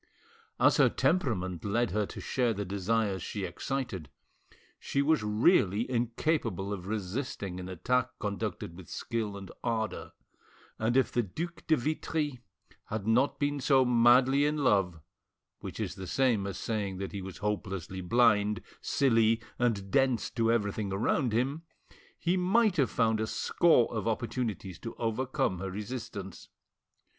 As her temperament led her to share the desires she excited, she was really incapable of resisting an attack conducted with skill and ardour, and if the Duc de Vitry had not been so madly in love, which is the same as saying that he was hopelessly blind, silly, and dense to everything around him, he might have found a score of opportunities to overcome her resistance.